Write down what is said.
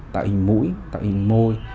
tạo hình mũi tạo hình môi